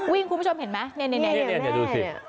คุณผู้ชมเห็นไหมนี่ดูสิ